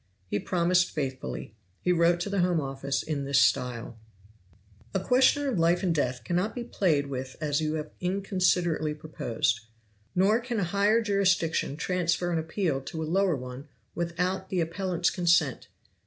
He promised faithfully. He wrote to the Home Office in this style: "A question of life and death cannot be played with as you have inconsiderately proposed; nor can a higher jurisdiction transfer an appeal to a lower one without the appellant's consent.